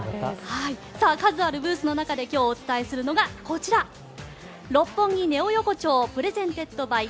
数あるブースの中で今日お伝えするのが、こちら「六本木ネオ横丁ｐｒｅｓｅｎｔｅｄｂｙ